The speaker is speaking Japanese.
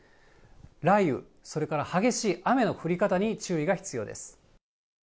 雷雨、それから激しい雨の降り方に注意が必要です。